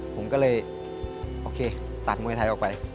ผมก็เลยโอเคตัดมวยไทยออกไป